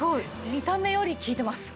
見た目より効いてます。